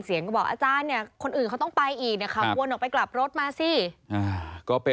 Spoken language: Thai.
ในคลิปจะเห็นว่าอาจารย์หญิงคนนี้ขับรถยนต์มาจอดตรงบริเวณที่วัยรุ่นกำลังนั่งกันอยู่นะครับ